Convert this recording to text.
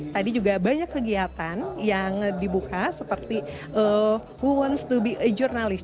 tadi juga banyak kegiatan yang dibuka seperti wowens to be a journalist